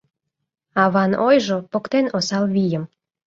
Аван ойжо поктен осал вийым.